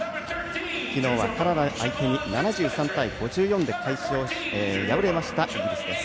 昨日はカナダ相手に７３対５４で敗れましたイギリス。